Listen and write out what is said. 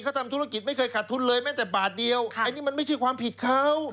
เขาทำธุรกิจไม่เคยขาดทุนเลยแม้แต่บาทเดียวอันนี้มันไม่ใช่ความผิดเขา